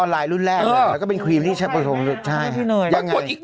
รุ่นแรกเลยอ่ะ